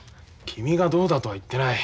君がどうだとは言ってない。